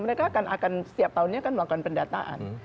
mereka akan setiap tahunnya akan melakukan pendataan